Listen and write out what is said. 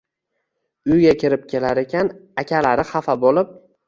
uyga kirib kelar ekan. Akalari xafa bo’lib: